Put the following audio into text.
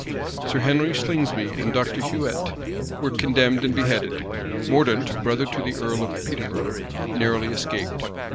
Sir Henry Slingsby and Dr. Huet were condemned and beheaded. Mordaunt, brother to the earl of Peterborough, narrowly escaped.